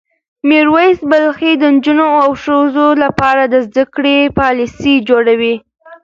میر ویس بلخي د نجونو او ښځو لپاره د زده کړې پالیسۍ جوړوي.